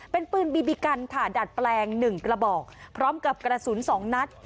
เป็นปืนบีบีกันค่ะดัดแปลง๑กระบอกพร้อมกับกระสุน๒นัด